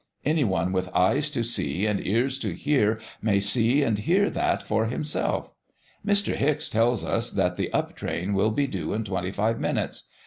Any one with eyes to see and ears to hear may see and hear that for himself. Mr. Hicks tells us that the up train will be due in twenty five minutes.